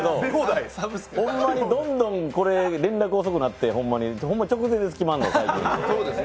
ほんまに、どんどん連絡遅くなって、直前です、決まるの、最近。